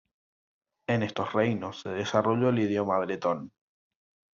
En estos reinos se desarrolló el idioma bretón.